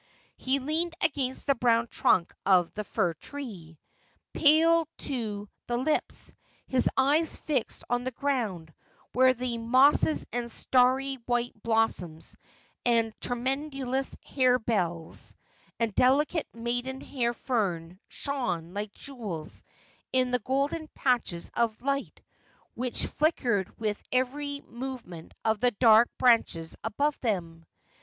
He leaned against the brown trunk of a fir tree, pale to the lips, his eyes fixed on the ground, where the mosses and starry white blossoms, and tremulous harebells, and delicate maiden hair fern shone like jewels in the golden patches of light which flickered with every movement of the dark branches above them.